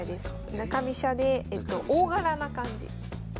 中飛車で大柄な感じ。